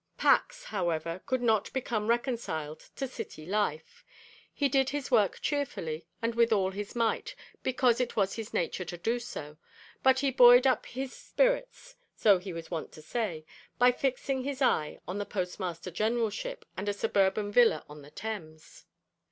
Pax, however, could not become reconciled to city life. He did his work cheerfully and with all his might, because it was his nature so to do, but he buoyed up his spirits so he was wont to say by fixing his eye on the Postmaster Generalship and a suburban villa on the Thames.